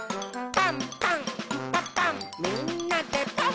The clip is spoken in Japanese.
「パンパンんパパンみんなでパン！」